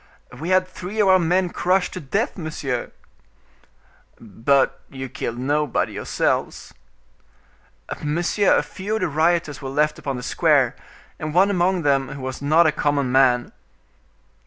"We had three of our men crushed to death, monsieur!" "But you killed nobody yourselves?" "Monsieur, a few of the rioters were left upon the square, and one among them who was not a common man."